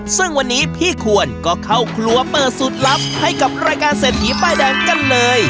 ซึ่งวันนี้พี่ควรก็เข้าครัวเปิดสูตรลับให้กับรายการเศรษฐีป้ายแดงกันเลย